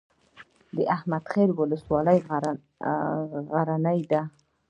د احمد خیل ولسوالۍ غرنۍ ده